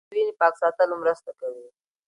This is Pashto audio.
دوی د وینې پاک ساتلو کې مرسته کوي.